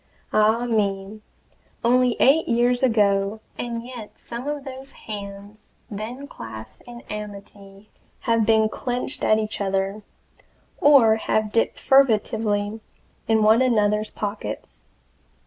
Ah me! only eight years ago, and yet some of those hands then clasped in amity have been clenched at each other, or have dipped furtively in one another's pockets.